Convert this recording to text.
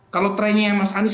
kalau trainnya mas anies